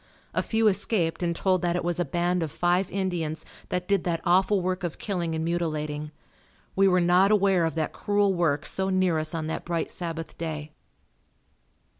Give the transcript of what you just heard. A few escaped and told that it was a band of five Indians that did that awful work of killing and mutilating. We were not aware of that cruel work so near us on that bright Sabbath day.